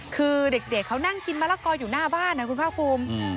คือเด็กเขานั่งกินมะละกออยู่หน้าบ้านนะคุณภาคภูมิ